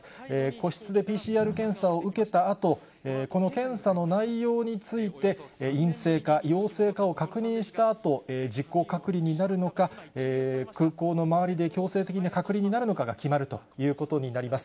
個室でＰＣＲ検査を受けたあと、この検査の内容について、陰性か陽性かを確認したあと、自己隔離になるのか、空港の周りで強制的に隔離になるのかが決まるということになります。